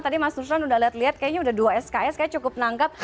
tadi mas nusron udah liat liat kayaknya udah dua sks kayaknya cukup nangkep